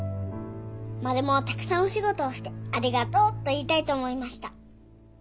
「マルモはたくさんお仕事をしてありがとうと言いたいと思いました」